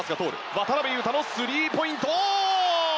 渡邊雄太のスリーポイント！